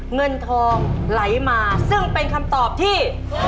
เงินทองไหลมาซึ่งเป็นคำตอบที่